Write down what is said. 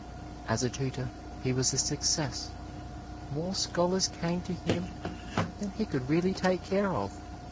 As a tutor he was a success: more scholars came to him than he could really take care of.